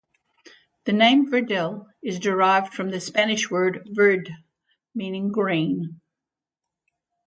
The name Verdel is derived from the Spanish word "verde", meaning "green".